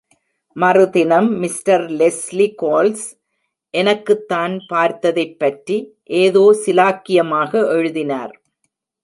மறுதினம் mister Leslie Coles, எனக்குத் தான் பார்த்ததைப் பற்றி, ஏதோ சிலாக்கியமாக எழுதினார்.